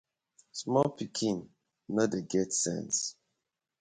Small pikin no dey get sense.